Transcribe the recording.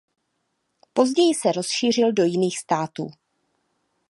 Později se rozšířil do jiných států.